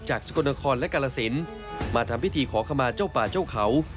สกลนครและกาลสินมาทำพิธีขอขมาเจ้าป่าเจ้าเขา